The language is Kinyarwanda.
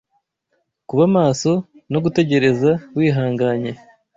kuba maso no gutegereza wihanganye